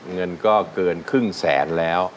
เงินก็เกินครึ่งแสนแล้ว